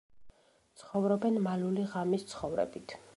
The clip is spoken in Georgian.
ცხოვრობენ მალული, ღამის ცხოვრებით.